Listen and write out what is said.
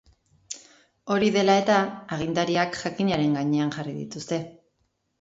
Hori dela eta, agintariak jakinaren gainean jarri dituzte.